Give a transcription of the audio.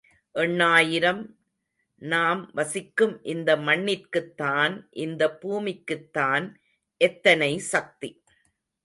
எண்ணாயிரம் நாம் வசிக்கும் இந்த மண்ணிற்குத்தான், இந்த பூமிக்குத்தான் எத்தனை சக்தி!